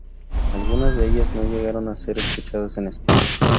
Algunas de ellas no llegaron a ser escuchadas en España.